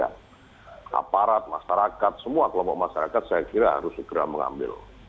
karena aparat masyarakat semua kelompok masyarakat saya kira harus segera mengambil